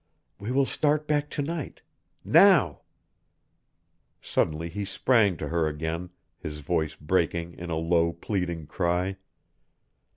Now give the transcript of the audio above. We will start back to night now." Suddenly he sprang to her again, his voice breaking in a low pleading cry.